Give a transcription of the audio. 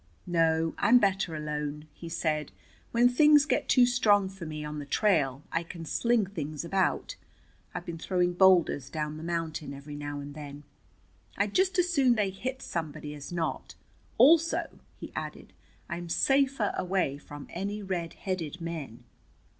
"No, I'm better alone," he said. "When things get too strong for me on the trail I can sling things about. I've been throwing boulders down the mountain every now and then. I'd just as soon they hit somebody as not. Also," he added, "I'm safer away from any red headed men."